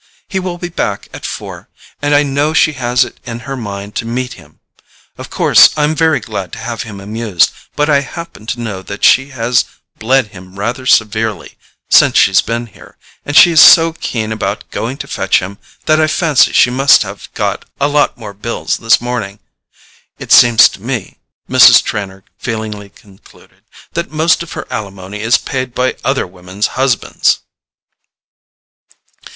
He will be back at four, and I know she has it in her mind to meet him. Of course I'm very glad to have him amused, but I happen to know that she has bled him rather severely since she's been here, and she is so keen about going to fetch him that I fancy she must have got a lot more bills this morning. It seems to me," Mrs. Trenor feelingly concluded, "that most of her alimony is paid by other women's husbands!"